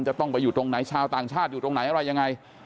จะต้องไปอยู่ตรงไหนชาวต่างชาติอยู่ตรงไหนอะไรยังไง